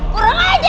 kurang ajar kamu